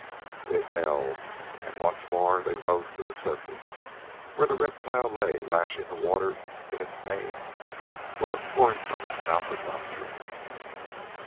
It held, and once more they rose to the surface, where the reptile lay lashing the waters in its pain, blood pouring from its mouth and nostrils.